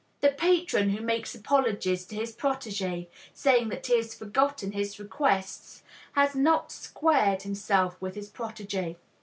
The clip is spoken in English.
The patron who makes apologies to his protegé, saying that he has forgotten his requests, has not squared himself with his protegé.